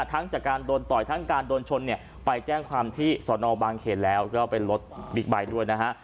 จากการโดนต่อยทั้งการโดนชนเนี่ยไปแจ้งความที่สอนอบางเขตแล้วก็เป็นรถบิ๊กไบท์ด้วยนะฮะ